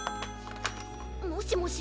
もしもし。